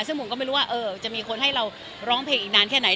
ซึ่งผมก็ไม่รู้ว่าจะมีคนให้เราร้องเพลงอีกนานแค่ไหน